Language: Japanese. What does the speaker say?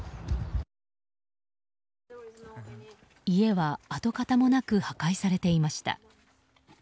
家は跡形もなく破壊されていました。